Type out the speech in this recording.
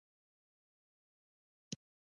آزاد تجارت مهم دی ځکه چې پرمختګ راوړي.